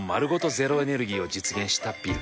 ゼロエネルギーを実現したビル。